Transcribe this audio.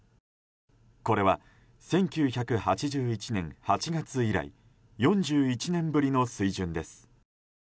これは、１９８１年８月以来４１年ぶりの水準です。